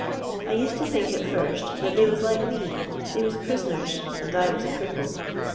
I used to think at first that they was like me ; they was prisoners, and I was a cripple.